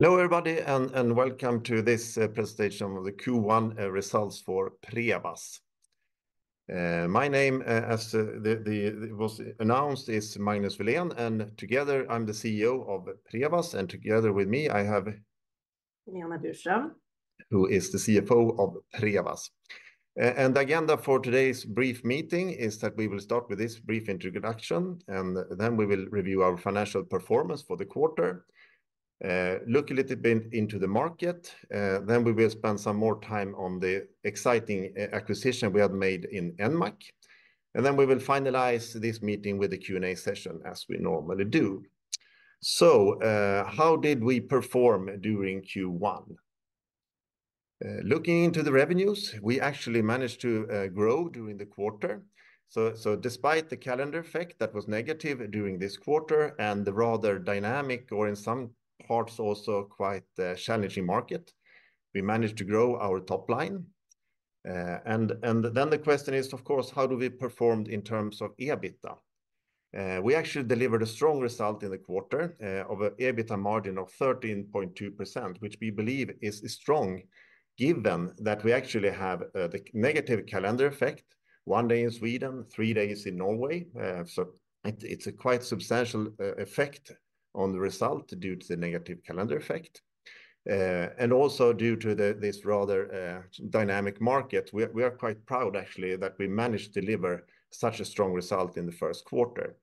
Hello, everybody, and welcome to this presentation of the Q1 results for Prevas. My name, as was announced, is Magnus Welén, and together I'm the CEO of Prevas, and together with me, I have- Helena Burström. ..who is the CFO of Prevas. And the agenda for today's brief meeting is that we will start with this brief introduction, and then we will review our financial performance for the quarter, look a little bit into the market, then we will spend some more time on the exciting acquisition we have made in Enmac, and then we will finalize this meeting with a Q&A session, as we normally do. So, how did we perform during Q1? Looking into the revenues, we actually managed to grow during the quarter. So, so despite the calendar effect that was negative during this quarter and the rather dynamic, or in some parts, also quite a challenging market, we managed to grow our top line. And then the question is, of course, how do we performed in terms of EBITDA? We actually delivered a strong result in the quarter of an EBITDA margin of 13.2%, which we believe is, is strong, given that we actually have the negative calendar effect, one day in Sweden, three days in Norway. So it, it's a quite substantial effect on the result due to the negative calendar effect. And also due to this rather dynamic market, we are, we are quite proud, actually, that we managed to deliver such a strong result in the first quarter.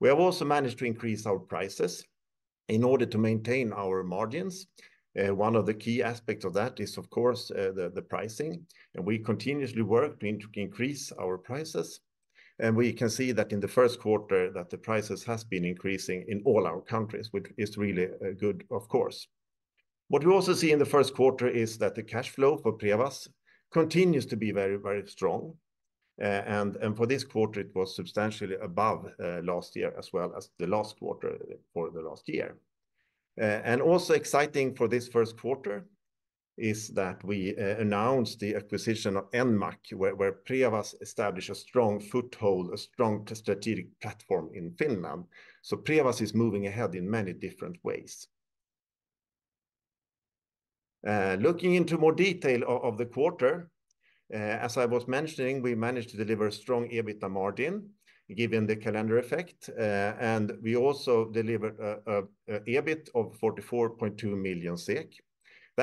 We have also managed to increase our prices in order to maintain our margins. One of the key aspects of that is, of course, the pricing, and we continuously work to increase our prices, and we can see that in the first quarter, that the prices has been increasing in all our countries, which is really, good, of course. What we also see in the first quarter is that the cash flow for Prevas continues to be very, very strong. And for this quarter, it was substantially above last year, as well as the last quarter for the last year. And also exciting for this first quarter is that we announced the acquisition of Enmac, where Prevas established a strong foothold, a strong strategic platform in Finland. So Prevas is moving ahead in many different ways. Looking into more detail of the quarter, as I was mentioning, we managed to deliver a strong EBITDA margin, given the calendar effect, and we also delivered a EBIT of 44.2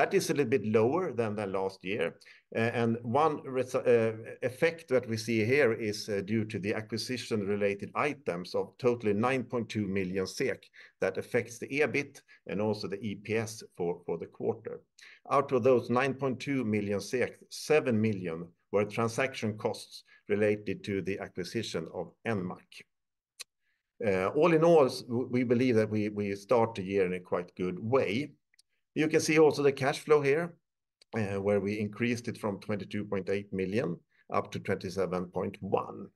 million SEK. That is a little bit lower than the last year, and one effect that we see here is due to the acquisition-related items of totally 9.2 million SEK that affects the EBIT and also the EPS for the quarter. Out of those 9.2 million, 7 million were transaction costs related to the acquisition of Enmac. All in all, we believe that we start the year in a quite good way. You can see also the cash flow here, where we increased it from 22.8 million up to 27.1 million.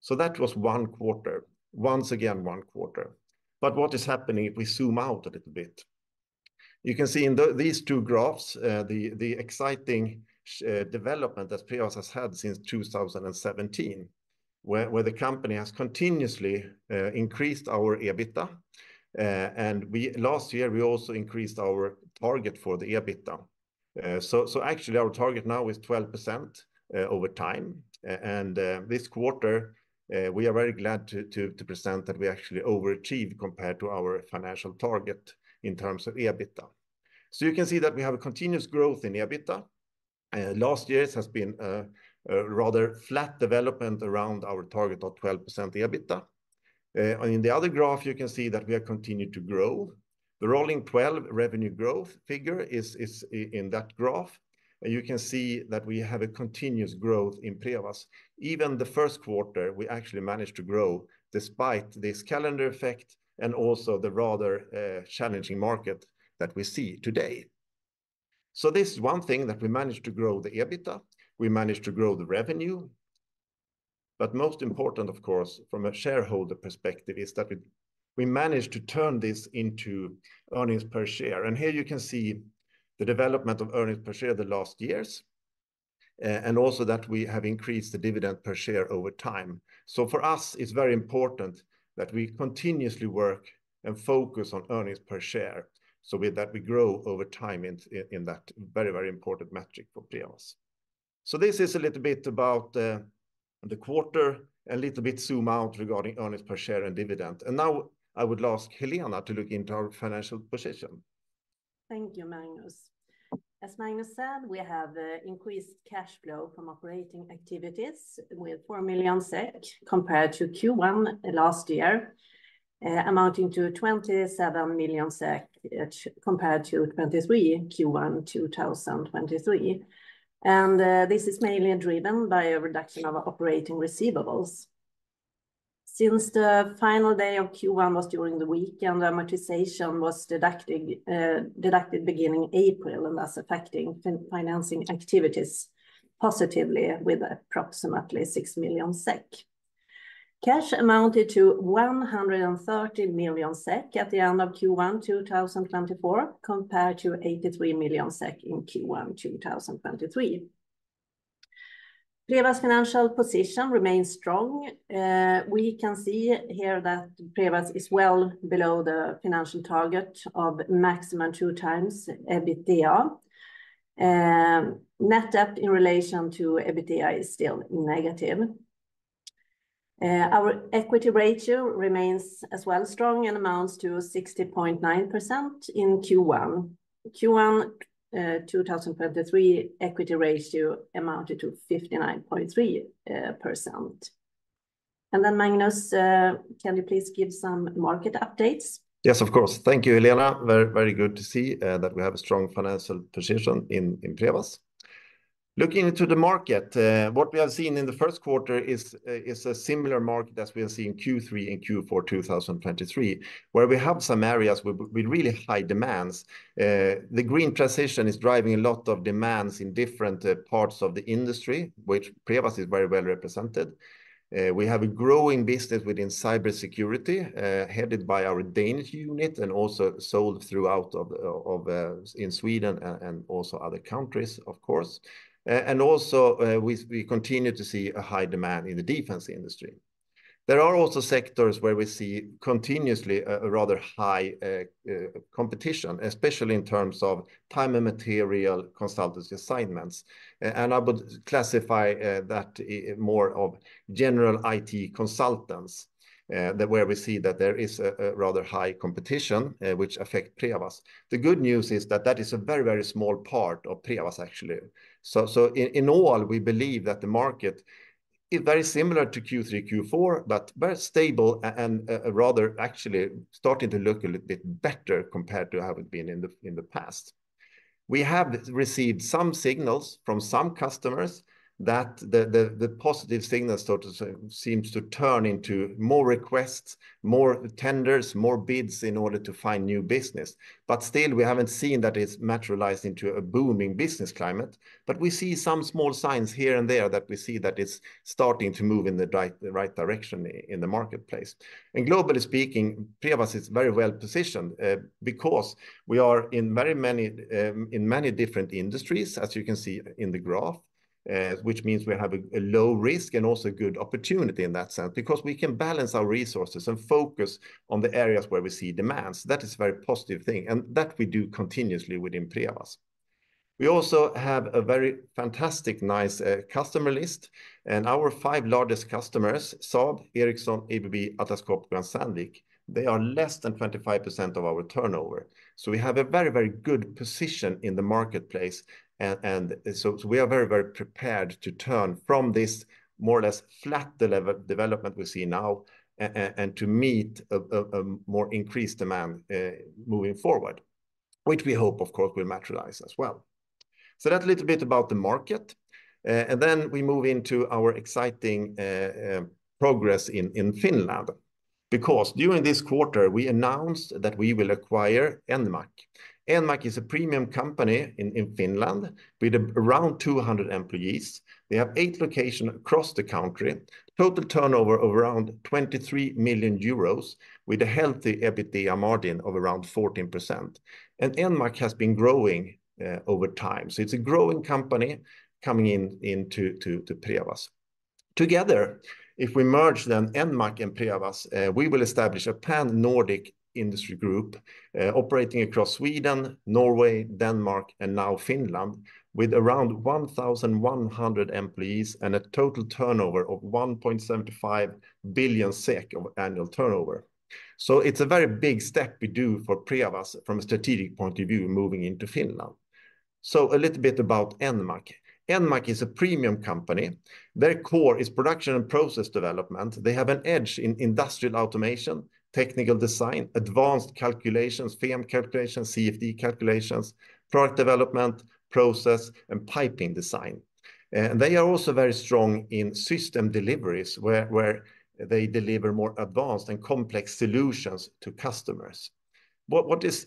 So that was one quarter, once again, one quarter. But what is happening if we zoom out a little bit? You can see in these two graphs, the exciting development that Prevas has had since 2017, where the company has continuously increased our EBITDA, and we... Last year, we also increased our target for the EBITDA. So actually, our target now is 12%, over time, and this quarter, we are very glad to present that we actually overachieved compared to our financial target in terms of EBITDA. So you can see that we have a continuous growth in EBITDA. Last years has been a rather flat development around our target of 12% EBITDA. In the other graph, you can see that we are continued to grow. The rolling 12 revenue growth figure is in that graph, and you can see that we have a continuous growth in Prevas. Even the first quarter, we actually managed to grow despite this calendar effect and also the rather challenging market that we see today. So this is one thing that we managed to grow the EBITDA, we managed to grow the revenue, but most important, of course, from a shareholder perspective, is that we, we managed to turn this into earnings per share. And here you can see the development of earnings per share the last years, and also that we have increased the dividend per share over time. So for us, it's very important that we continuously work and focus on earnings per share, so with that, we grow over time in, in that very, very important metric for Prevas. So this is a little bit about the quarter, a little bit zoom out regarding earnings per share and dividend. Now I would ask Helena to look into our financial position. Thank you, Magnus. As Magnus said, we have increased cash flow from operating activities with 4 million SEK compared to Q1 last year, amounting to 27 million SEK, compared to 23 million, Q1 2023. And this is mainly driven by a reduction of operating receivables. Since the final day of Q1 was during the week, and the amortization was deducted, deducted beginning April, and that's affecting financing activities positively with approximately 6 million SEK. Cash amounted to 130 million SEK at the end of Q1 2024, compared to 83 million SEK in Q1 2023. Prevas financial position remains strong. We can see here that Prevas is well below the financial target of maximum 2x EBITDA. Net debt in relation to EBITDA is still negative. Our equity ratio remains as well strong and amounts to 60.9% in Q1. Q1 2023 equity ratio amounted to 59.3%. And then Magnus, can you please give some market updates? Yes, of course. Thank you, Helena. Very, very good to see that we have a strong financial position in Prevas. Looking into the market, what we have seen in the first quarter is a similar market as we have seen in Q3 and Q4 2023, where we have some areas with really high demands. The green transition is driving a lot of demands in different parts of the industry, which Prevas is very well represented. We have a growing business within cybersecurity, headed by our Danish unit, and also sold throughout, in Sweden and also other countries, of course. And also, we continue to see a high demand in the defense industry. There are also sectors where we see continuously a rather high competition, especially in terms of time and material consultancy assignments. I would classify that more of general IT consultants that where we see that there is a rather high competition which affect Prevas. The good news is that that is a very, very small part of Prevas, actually. In all, we believe that the market is very similar to Q3, Q4, but very stable and rather actually starting to look a little bit better compared to how it been in the past. We have received some signals from some customers that the positive signals sort of seems to turn into more requests, more tenders, more bids in order to find new business. But still, we haven't seen that it's materialized into a booming business climate. But we see some small signs here and there that we see that it's starting to move in the right, the right direction in the marketplace. And globally speaking, Prevas is very well positioned, because we are in very many, in many different industries, as you can see in the graph, which means we have a, a low risk and also good opportunity in that sense, because we can balance our resources and focus on the areas where we see demands. That is a very positive thing, and that we do continuously within Prevas. We also have a very fantastic, nice, customer list, and our five largest customers, Saab, Ericsson, ABB, Atlas Copco, and Sandvik, they are less than 25% of our turnover. So we have a very, very good position in the marketplace, and so we are very, very prepared to turn from this more or less flat development we see now and to meet a more increased demand moving forward, which we hope, of course, will materialize as well. So that a little bit about the market, and then we move into our exciting progress in Finland, because during this quarter, we announced that we will acquire Enmac. Enmac is a premium company in Finland with around 200 employees. They have eight locations across the country, total turnover of around 23 million euros, with a healthy EBITDA margin of around 14%. And Enmac has been growing over time. So it's a growing company coming into Prevas. Together, if we merge then Enmac and Prevas, we will establish a Pan-Nordic industry group, operating across Sweden, Norway, Denmark, and now Finland, with around 1,100 employees and a total turnover of 1.75 billion SEK of annual turnover. So it's a very big step we do for Prevas from a strategic point of view, moving into Finland. So a little bit about Enmac. Enmac is a premium company. Their core is production and process development. They have an edge in industrial automation, technical design, advanced calculations, FEM calculations, CFD calculations, product development, process, and piping design. And they are also very strong in system deliveries, where they deliver more advanced and complex solutions to customers. What is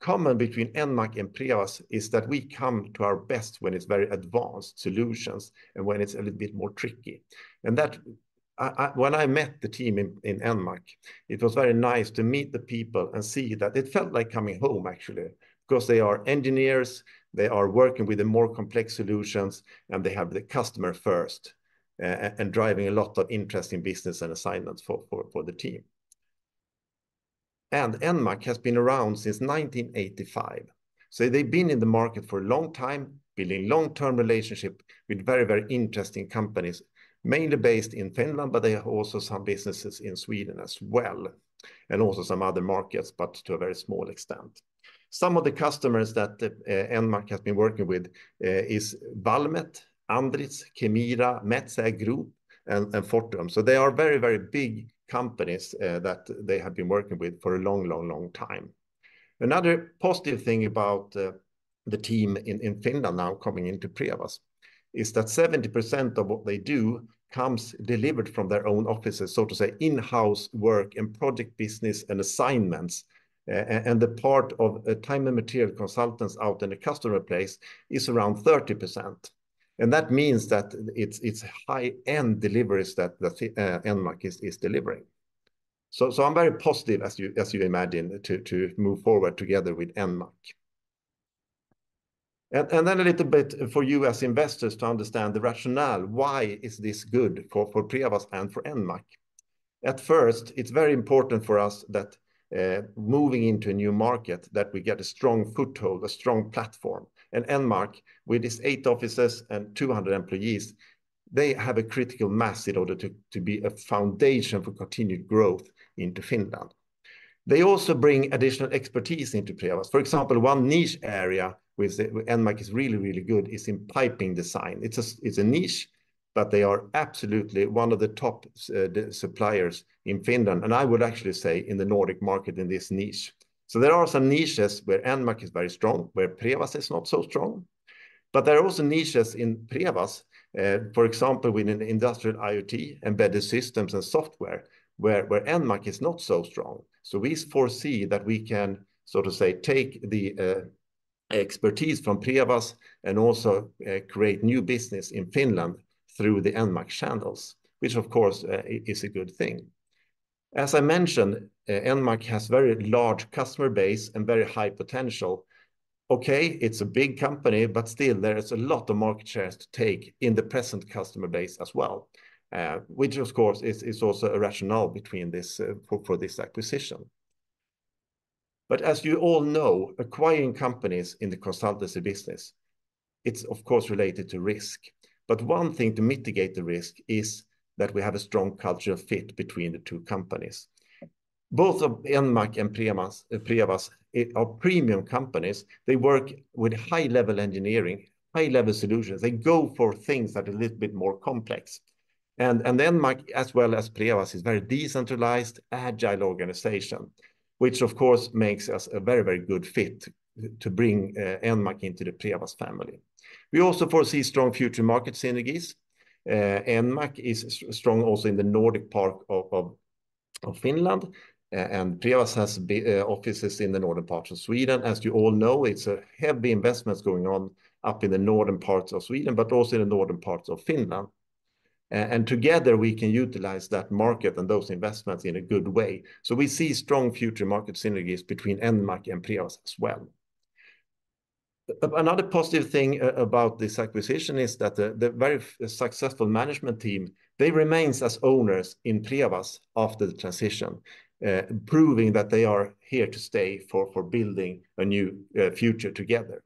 common between Enmac and Prevas is that we come to our best when it's very advanced solutions and when it's a little bit more tricky. When I met the team in Enmac, it was very nice to meet the people and see that it felt like coming home, actually, because they are engineers, they are working with the more complex solutions, and they have the customer first and driving a lot of interesting business and assignments for the team. And Enmac has been around since 1985. So they've been in the market for a long time, building long-term relationship with very, very interesting companies, mainly based in Finland, but they have also some businesses in Sweden as well, and also some other markets, but to a very small extent. Some of the customers that Enmac has been working with is Valmet, Andritz, Kemira, Metsä Group, and Fortum. So they are very, very big companies that they have been working with for a long, long, long time. Another positive thing about the team in Finland now coming into Prevas, is that 70% of what they do comes delivered from their own offices, so to say, in-house work and project business and assignments, and the part of a time and material consultants out in the customer place is around 30%. And that means that it's high-end deliveries that the Enmac is delivering. So I'm very positive, as you imagine, to move forward together with Enmac. And then a little bit for you as investors to understand the rationale, why is this good for Prevas and for Enmac? At first, it's very important for us that, moving into a new market, that we get a strong foothold, a strong platform. And Enmac, with its eight offices and 200 employees, they have a critical mass in order to be a foundation for continued growth into Finland. They also bring additional expertise into Prevas. For example, one niche area with Enmac is really, really good is in piping design. It's a niche, but they are absolutely one of the top suppliers in Finland, and I would actually say in the Nordic market in this niche. So there are some niches where Enmac is very strong, where Prevas is not so strong. But there are also niches in Prevas, for example, within industrial IoT, embedded systems and software, where Enmac is not so strong. So we foresee that we can, so to say, take the expertise from Prevas and also create new business in Finland through the Enmac channels, which of course is a good thing. As I mentioned, Enmac has very large customer base and very high potential. Okay, it's a big company, but still there is a lot of market shares to take in the present customer base as well, which of course is also a rationale between this for this acquisition. But as you all know, acquiring companies in the consultancy business, it's of course related to risk. But one thing to mitigate the risk is that we have a strong culture fit between the two companies. Both of Enmac and Prevas, Prevas are premium companies. They work with high-level engineering, high-level solutions. They go for things that are a little bit more complex. Enmac, as well as Prevas, is very decentralized, agile organization, which of course, makes us a very, very good fit to bring Enmac into the Prevas family. We also foresee strong future market synergies. Enmac is strong also in the Nordic part of Finland, and Prevas has offices in the northern parts of Sweden. As you all know, it's a heavy investments going on up in the northern parts of Sweden, but also in the northern parts of Finland. And together, we can utilize that market and those investments in a good way. So we see strong future market synergies between Enmac and Prevas as well. But another positive thing about this acquisition is that the very successful management team, they remains as owners in Prevas after the transition, proving that they are here to stay for building a new future together.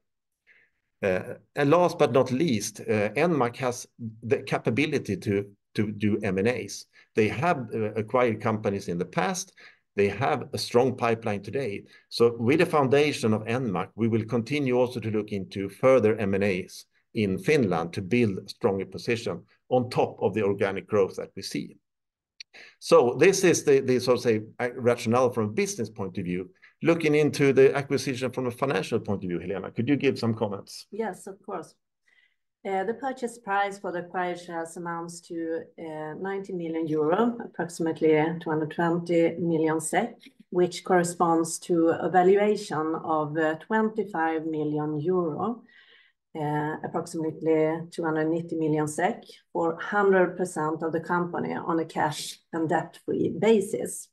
And last but not least, Enmac has the capability to do M&As. They have acquired companies in the past. They have a strong pipeline today. So with the foundation of Enmac, we will continue also to look into further M&As in Finland to build a stronger position on top of the organic growth that we see. So this is the so say rationale from a business point of view. Looking into the acquisition from a financial point of view, Helena, could you give some comments? Yes, of course. The purchase price for the acquired shares amounts to 90 million euro, approximately 220 million SEK, which corresponds to a valuation of 25 million euro, approximately 290 million SEK, or 100% of the company on a cash and debt-free basis.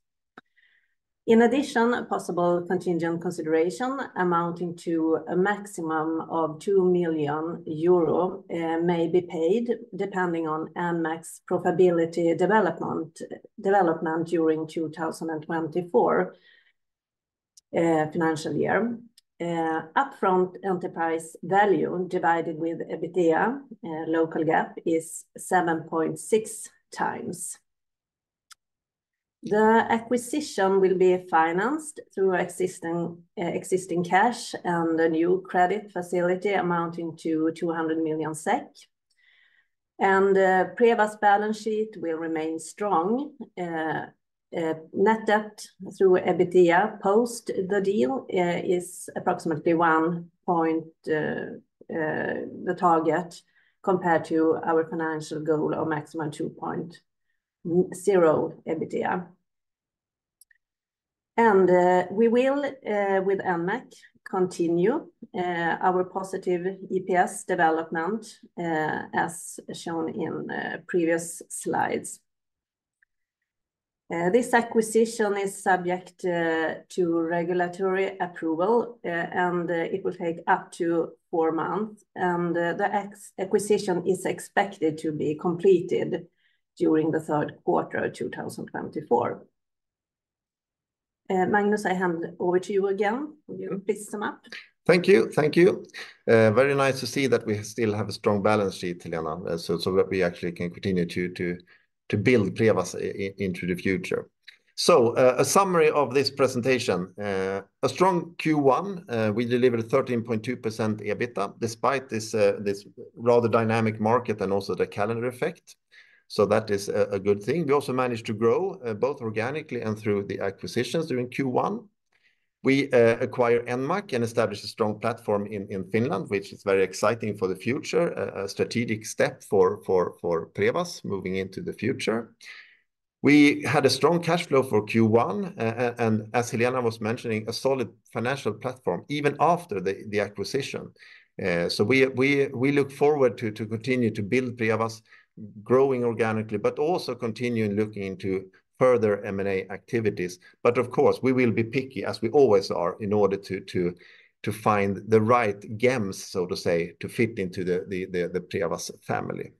In addition, a possible contingent consideration amounting to a maximum of 2 million euro may be paid, depending on Enmac's profitability development during 2024 financial year. Upfront enterprise value divided with EBITDA local GAAP is 7.6x. The acquisition will be financed through existing cash and a new credit facility amounting to 200 million SEK. Prevas' balance sheet will remain strong. Net debt to EBITDA post the deal is approximately 1.0x the target compared to our financial goal of maximum 2.0x EBITDA. We will, with Enmac, continue our positive EPS development, as shown in previous slides. This acquisition is subject to regulatory approval, and it will take up to four months, and the acquisition is expected to be completed during the third quarter of 2024. Magnus, I hand over to you again. Will you please sum up? Thank you. Thank you. Very nice to see that we still have a strong balance sheet, Helena, so that we actually can continue to build Prevas into the future. So, a summary of this presentation: a strong Q1, we delivered 13.2% EBITDA, despite this, this rather dynamic market and also the calendar effect. So that is a good thing. We also managed to grow, both organically and through the acquisitions during Q1. We acquire Enmac and establish a strong platform in Finland, which is very exciting for the future, a strategic step for Prevas moving into the future. We had a strong cash flow for Q1, and as Helena was mentioning, a solid financial platform, even after the acquisition. So we look forward to continue to build Prevas, growing organically, but also continuing looking into further M&A activities. But of course, we will be picky, as we always are, in order to find the right gems, so to say, to fit into the Prevas family.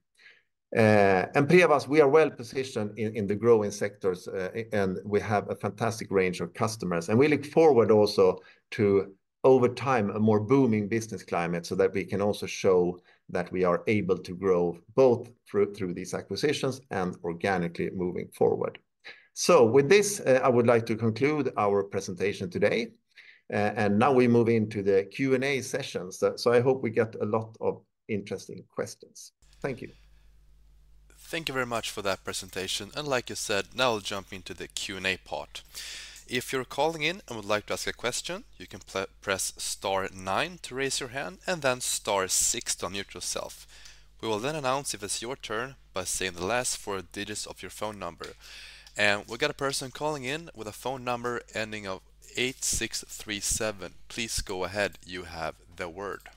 And Prevas, we are well-positioned in the growing sectors, and we have a fantastic range of customers. And we look forward also to, over time, a more booming business climate, so that we can also show that we are able to grow both through these acquisitions and organically moving forward. So with this, I would like to conclude our presentation today, and now we move into the Q&A sessions. So I hope we get a lot of interesting questions. Thank you. Thank you very much for that presentation. And like you said, now we'll jump into the Q&A part. If you're calling in and would like to ask a question, you can press star nine to raise your hand and then star six to unmute yourself. We will then announce if it's your turn by saying the last four digits of your phone number. And we've got a person calling in with a phone number ending in 8637. Please go ahead. You have the word.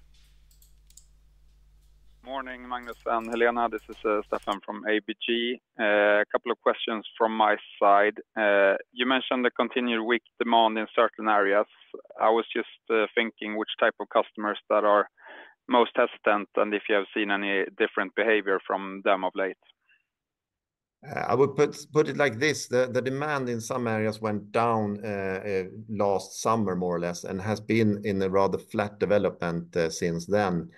Morning, Magnus and Helena. This is, Stefan from ABG. A couple of questions from my side. You mentioned the continued weak demand in certain areas. I was just, thinking which type of customers that are most hesitant, and if you have seen any different behavior from them of late? I would put it like this, the demand in some areas went down, last summer, more or less, and has been in a rather flat development, since then.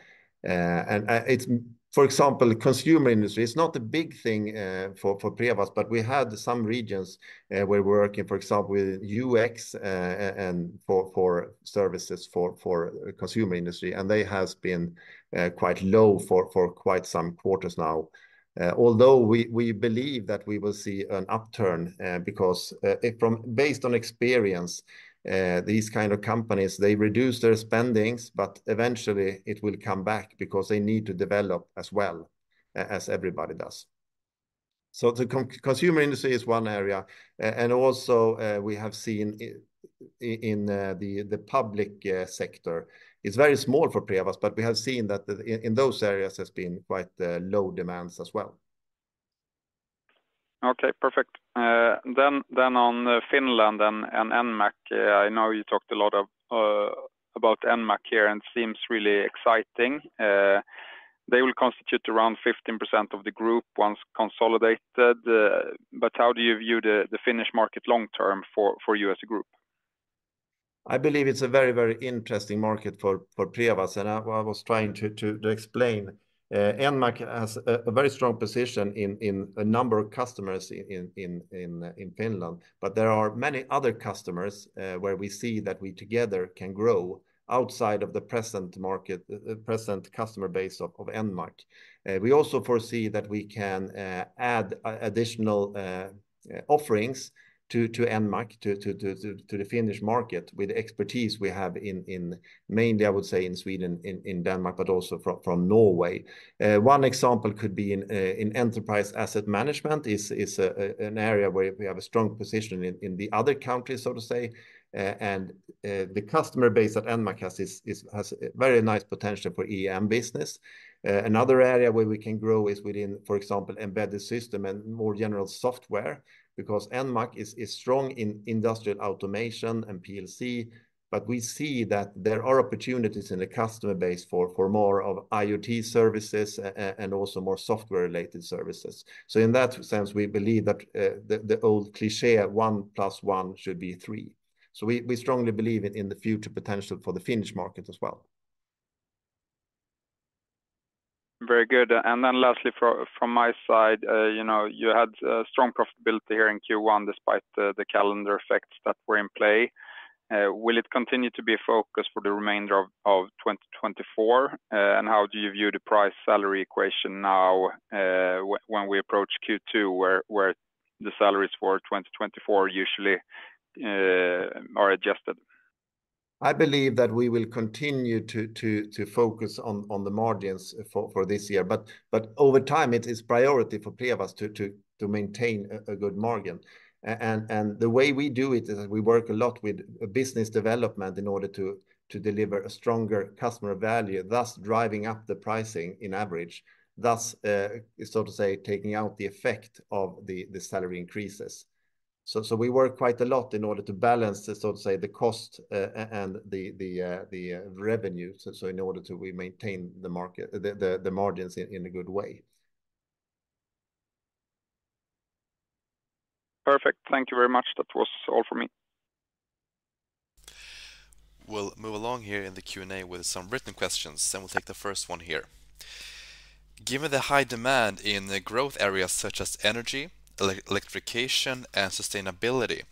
And, it's. For example, consumer industry, it's not a big thing, for Prevas, but we had some regions, where we're working, for example, with UX, and for services for consumer industry, and they has been, quite low for quite some quarters now. Although we believe that we will see an upturn, because it. Based on experience, these kind of companies, they reduce their spendings, but eventually it will come back because they need to develop as well, as everybody does. So the consumer industry is one area. And also, we have seen in the public sector, it's very small for Prevas, but we have seen that in those areas, there's been quite low demands as well. Okay, perfect. Then on Finland and Enmac, I know you talked a lot about Enmac here, and it seems really exciting. They will constitute around 15% of the group once consolidated, but how do you view the Finnish market long-term for you as a group? I believe it's a very, very interesting market for Prevas, and I was trying to explain. Enmac has a very strong position in a number of customers in Finland. But there are many other customers where we see that we together can grow outside of the present market, present customer base of Enmac. We also foresee that we can add additional offerings to Enmac to the Finnish market with expertise we have in mainly, I would say, in Sweden, in Denmark, but also from Norway. One example could be in enterprise asset management is an area where we have a strong position in the other countries, so to say. The customer base at Enmac has a very nice potential for EAM business. Another area where we can grow is within, for example, embedded system and more general software, because Enmac is strong in industrial automation and PLC, but we see that there are opportunities in the customer base for more of IoT services and also more software-related services. So in that sense, we believe that the old cliché, 1 + 1 should be 3. So we strongly believe in the future potential for the Finnish market as well. Very good. And then lastly, from my side, you know, you had strong profitability here in Q1, despite the calendar effects that were in play. Will it continue to be a focus for the remainder of 2024? And how do you view the price-salary equation now, when we approach Q2, where the salaries for 2024 usually are adjusted? I believe that we will continue to focus on the margins for this year. But over time, it is priority for Prevas to maintain a good margin. And the way we do it is we work a lot with business development in order to deliver a stronger customer value, thus driving up the pricing in average, thus, so to say, taking out the effect of the salary increases. So we work quite a lot in order to balance the so to say the cost and the revenue, so in order to we maintain the market the margins in a good way. Perfect. Thank you very much. That was all for me. We'll move along here in the Q&A with some written questions, and we'll take the first one here. Given the high demand in the growth areas such as energy, electrification, and sustainability,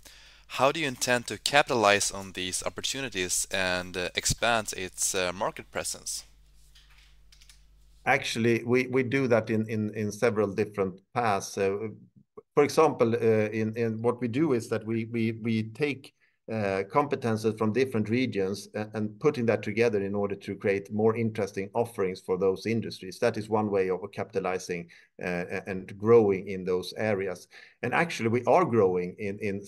how do you intend to capitalize on these opportunities and expand its market presence? Actually, we do that in several different paths. So, for example, in what we do is that we take competencies from different regions and putting that together in order to create more interesting offerings for those industries. That is one way of capitalizing and growing in those areas. And actually, we are growing in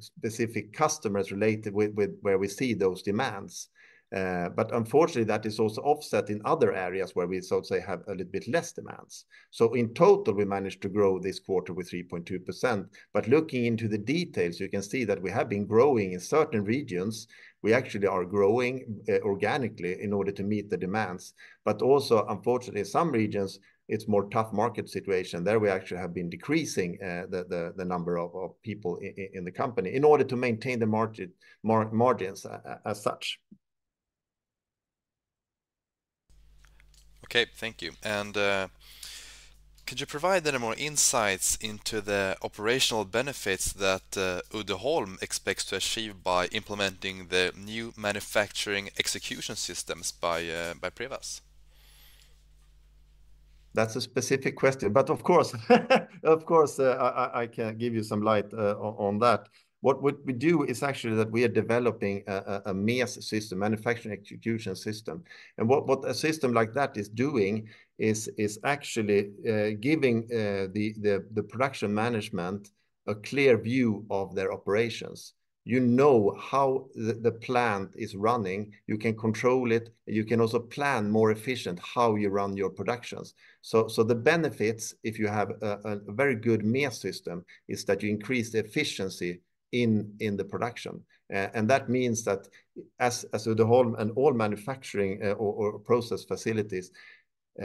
specific customers related with where we see those demands. But unfortunately, that is also offset in other areas where we so say, have a little bit less demands. So in total, we managed to grow this quarter with 3.2%. But looking into the details, you can see that we have been growing in certain regions. We actually are growing organically in order to meet the demands, but also, unfortunately, in some regions, it's more tough market situation. There, we actually have been decreasing the number of people in the company in order to maintain the margins as such. Okay, thank you. And, could you provide any more insights into the operational benefits that Uddeholm expects to achieve by implementing the new Manufacturing Execution Systems by Prevas? That's a specific question, but of course, of course, I can give you some light on that. What we do is actually that we are developing a MES system, Manufacturing Execution System. And what a system like that is doing is actually giving the production management a clear view of their operations. You know how the plant is running. You can control it, you can also plan more efficient how you run your productions. So the benefits, if you have a very good MES system, is that you increase the efficiency in the production. And that means that as Uddeholm and all manufacturing or process facilities,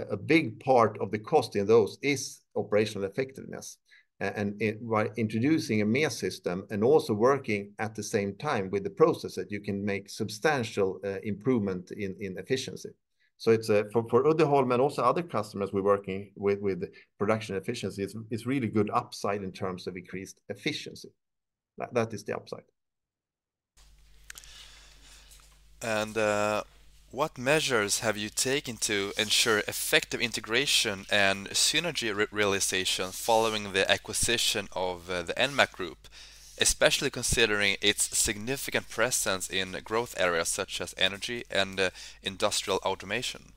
a big part of the cost in those is operational effectiveness. By introducing a MES system and also working at the same time with the process, that you can make substantial improvement in efficiency. So it's for Uddeholm, but also other customers we're working with, with production efficiency, it's really good upside in terms of increased efficiency. That is the upside. What measures have you taken to ensure effective integration and synergy realization following the acquisition of the Enmac Group, especially considering its significant presence in growth areas such as energy and industrial automation?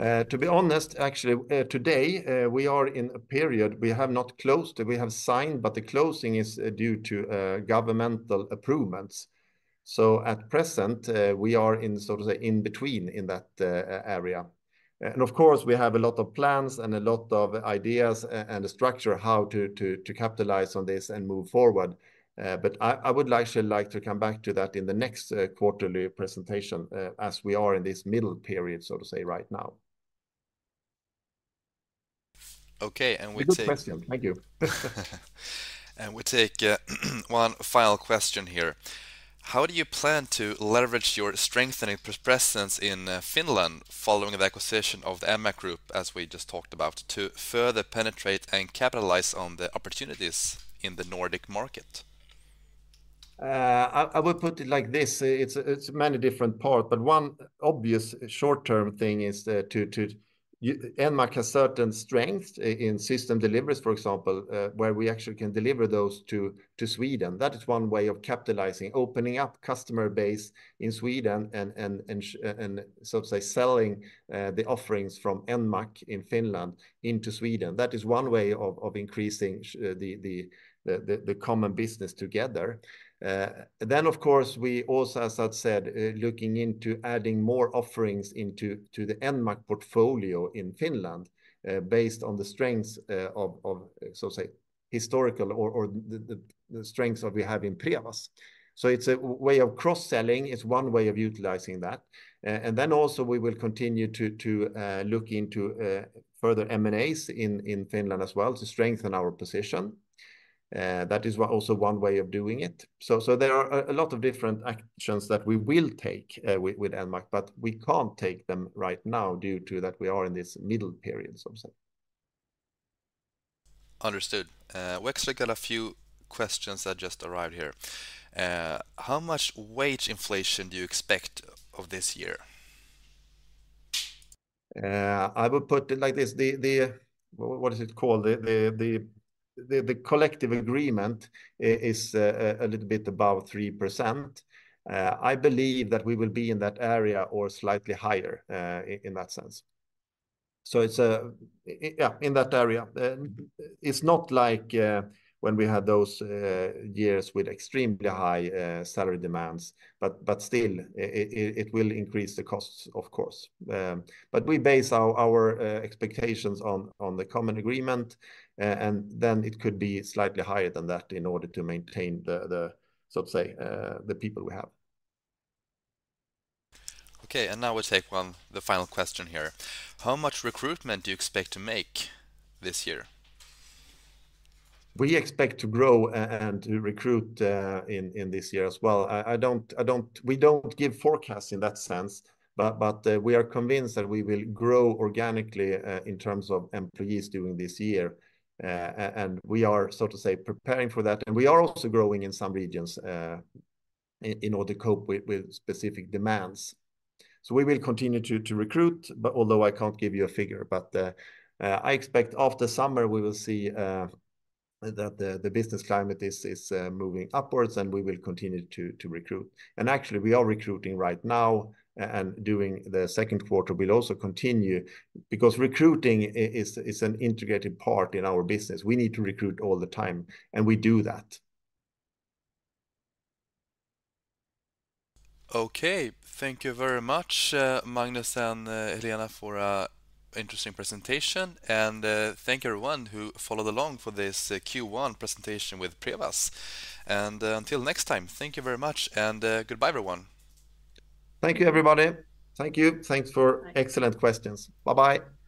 To be honest, actually, today, we are in a period we have not closed. We have signed, but the closing is due to governmental approvals. So at present, we are in, so to say, in between in that area. And of course, we have a lot of plans and a lot of ideas and a structure how to capitalize on this and move forward. But I would actually like to come back to that in the next quarterly presentation, as we are in this middle period, so to say, right now. Okay, we take- Good question. Thank you. We take one final question here. How do you plan to leverage your strength and presence in Finland following the acquisition of the Enmac group, as we just talked about, to further penetrate and capitalize on the opportunities in the Nordic market? I would put it like this, it's many different part, but one obvious short-term thing is to Enmac has certain strengths in system deliveries, for example, where we actually can deliver those to Sweden. That is one way of capitalizing, opening up customer base in Sweden and so to say, selling the offerings from Enmac in Finland into Sweden. That is one way of increasing the common business together. Then, of course, we also, as I've said, looking into adding more offerings into the Enmac portfolio in Finland, based on the strengths of so to say historical or the strengths that we have in Prevas. So it's a way of cross-selling, is one way of utilizing that. And then also we will continue to look into further M&As in Finland as well to strengthen our position. That is what also one way of doing it. So there are a lot of different actions that we will take with Enmac, but we can't take them right now due to that we are in this middle period, so to say. Understood. We actually got a few questions that just arrived here. How much wage inflation do you expect of this year? I would put it like this, the collective agreement is a little bit above 3%. I believe that we will be in that area or slightly higher in that sense. So it's in that area. It's not like when we had those years with extremely high salary demands, but still it will increase the costs, of course. But we base our expectations on the common agreement, and then it could be slightly higher than that in order to maintain the, so to say, the people we have. Okay, and now we take one, the final question here: How much recruitment do you expect to make this year? We expect to grow and to recruit in this year as well. I don't—we don't give forecasts in that sense, but we are convinced that we will grow organically in terms of employees during this year. And we are, so to say, preparing for that. And we are also growing in some regions in order to cope with specific demands. So we will continue to recruit, but although I can't give you a figure, but I expect after summer, we will see that the business climate is moving upwards, and we will continue to recruit. And actually, we are recruiting right now and during the second quarter, we'll also continue, because recruiting is an integrated part in our business. We need to recruit all the time, and we do that. Okay, thank you very much, Magnus and Helena, for an interesting presentation. Thank you, everyone, who followed along for this Q1 presentation with Prevas. Until next time, thank you very much, and goodbye, everyone. Thank you, everybody. Thank you. Thanks for excellent questions. Bye-bye.